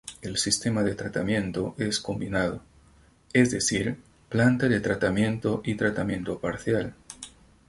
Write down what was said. El sistema de tratamiento es combinado, es decir planta de tratamiento y tratamiento parcial.